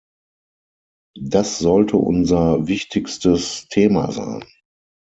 Das sollte unser wichtigstes Thema sein.